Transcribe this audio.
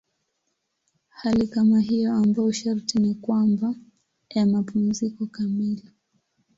Hali kama hiyo ambayo sharti ni kwamba ya mapumziko kamili.